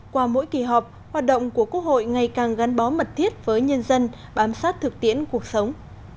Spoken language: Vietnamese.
qua mỗi kỳ họp hoạt động của quốc hội ngày càng gắn bó mật thiết với nhân dân bám sát thực tiễn cuộc sống